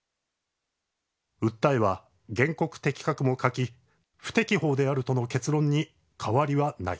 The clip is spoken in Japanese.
訴えは原告適格も欠き不適法であるとの結論に変わりはない